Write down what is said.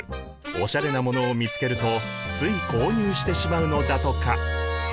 オシャレなものを見つけるとつい購入してしまうのだとか。